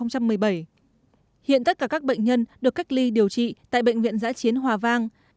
hiện tất cả các bệnh nhân được cách ly điều trị tại bệnh viện giã chiến hòa vang